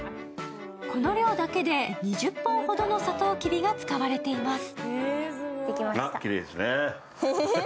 この量だけで２０本ほどのさとうきびが使われています。